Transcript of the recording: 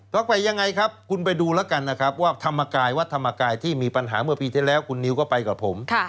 ไปยังไงครับคุณไปดูแล้วกันนะครับว่าธรรมกายวัดธรรมกายที่มีปัญหาเมื่อปีที่แล้วคุณนิวก็ไปกับผม